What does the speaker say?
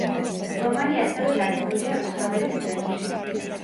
რომანი ასევე დადგმულია რუსთაველის თეატრში.